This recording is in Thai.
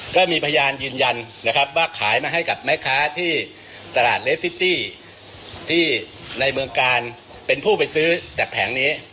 ก็มีพยานยืนยันนะครับว่าขายมาให้กับแม่ค้าที่ตลาดเลฟซิตี้ที่ในเมืองกาลเป็นผู้ไปซื้อจากแผงนี้